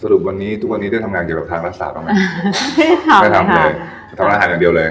สรุปวันนี้ทุกวันนี้ได้ทำงานเกี่ยวกับทางรัฐศาสตร์อ่ะมั้ย